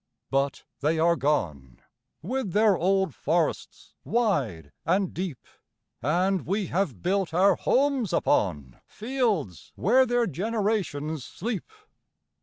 but they are gone, With their old forests wide and deep, And we have built our homes upon Fields where their generations sleep.